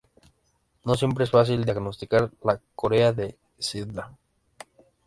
No siempre es fácil diagnosticar la corea de Sydenham.